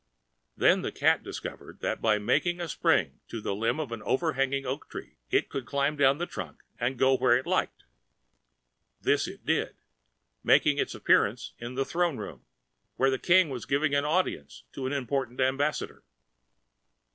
Then the cat discovered that by making a spring to the limb[Pg 222] of an overhanging oak tree, it could climb down the trunk and go where it liked. This it did, making its appearance in the throne room, where the King was giving audience to an important ambassador.